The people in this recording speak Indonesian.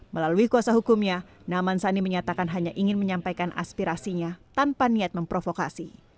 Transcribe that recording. melalui kuasa hukumnya naman sani menyatakan hanya ingin menyampaikan aspirasinya tanpa niat memprovokasi